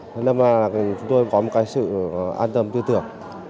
nên là chúng tôi có một cái sự an tâm tư tưởng